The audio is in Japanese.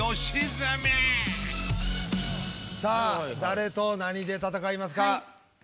さあ誰と何で戦いますか？